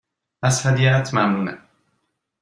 از هدیهات ممنونم.